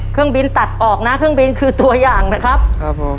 เครื่องบินตัดออกนะเครื่องบินคือตัวอย่างนะครับครับผม